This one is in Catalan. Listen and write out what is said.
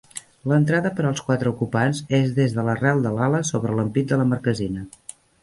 L'entrada per als quatre ocupants és des de l'arrel de l'ala sobre l'ampit de la marquesina.